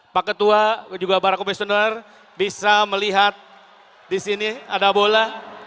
pak ketua juga para komisioner bisa melihat di sini ada bola